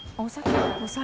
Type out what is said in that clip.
お酒？